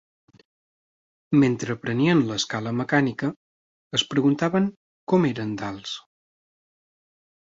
Mentre prenien l'escala mecànica, es preguntaven com eren d'alts.